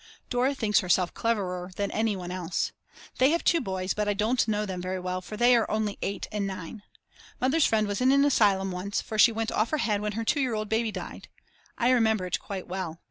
Dora thinks herself cleverer than anyone else. They have 2 boys, but I don't know them very well for they are only 8 and 9. Mother's friend was in an asylum once, for she went off her head when her 2 year old baby died. I remember it quite well.